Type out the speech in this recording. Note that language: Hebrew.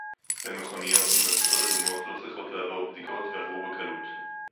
ומכוניות עם מדבקות אדומות לא צריכות לעבור בדיקות ועברו בקלות